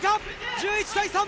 １１対３。